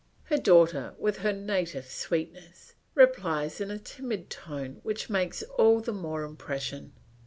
Her daughter, with her native sweetness, replies in a timid tone which makes all the more impression.